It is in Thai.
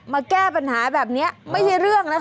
แก้ปัญหาแบบนี้ไม่ใช่เรื่องนะคะ